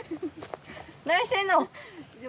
何してんの！